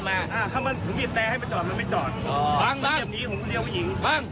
ไปเลยครับ